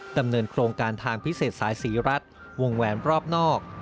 ดำเนินโครงการทางพิเศษสายศรีรัฐวงแหวนรอบนอก